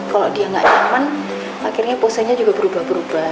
kalau dia nggak nyaman akhirnya posenya juga berubah berubah